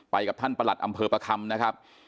กับท่านประหลัดอำเภอประคำนะครับ